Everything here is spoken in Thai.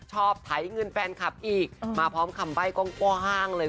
ชอบถ่ายเงินแฟนคับอีกมาพร้อมคำใบ้กว้างเลย